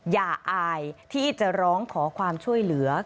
อายที่จะร้องขอความช่วยเหลือ